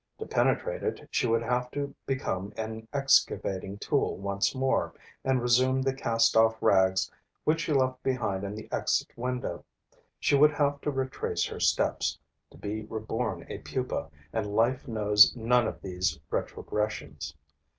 To penetrate it, she would have to become an excavating tool once more and resume the cast off rags which she left behind in the exit window; she would have to retrace her steps, to be reborn a pupa; and life knows none of these retrogressions.